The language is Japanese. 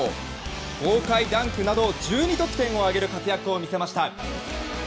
豪快ダンクなど１２得点を挙げる活躍を見せました。